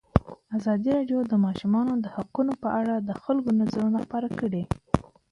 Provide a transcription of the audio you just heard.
ازادي راډیو د د ماشومانو حقونه په اړه د خلکو نظرونه خپاره کړي.